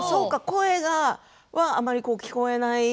声はあまり聞こえない。